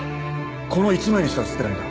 この１枚にしか写ってないんだ。